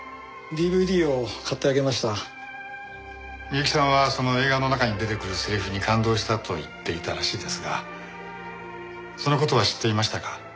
美雪さんはその映画の中に出てくるセリフに感動したと言っていたらしいですがその事は知っていましたか？